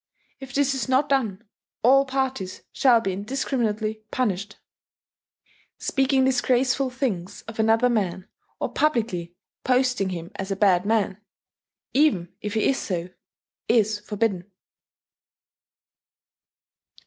If this is not done, all parties shall be indiscriminately punished ...." "Speaking disgraceful things of another man, or publicly posting him as a bad man, even if he is so, is forbidden."